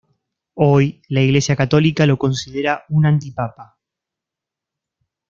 Hoy la Iglesia católica lo considera un antipapa.